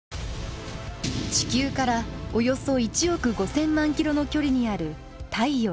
地球からおよそ１億５，０００万キロの距離にある太陽。